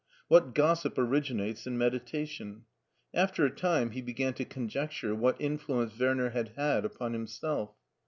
What gossip originates in meditation! After a time he began to conjecture what influence Werner had had upon himself.